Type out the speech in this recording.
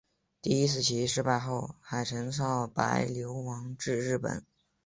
第一次起义失败后偕陈少白流亡至日本。